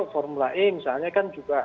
formula e misalnya kan juga